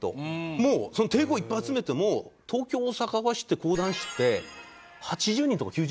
もうその亭号いっぱい集めても東京大阪合わせて講談師って８０人とか９０人。